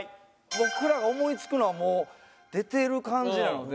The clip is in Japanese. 僕らが思いつくのはもう出てる感じなので。